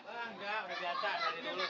enggak udah biasa dari dulu